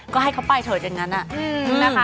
ก็ให้เขาไปเถอะอย่างนั้นนะคะ